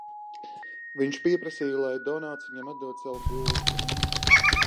Viņš pieprasīja, lai Donats viņam atdod savu gultu.